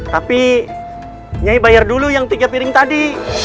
tapi nyai bayar dulu yang tiga piring tadi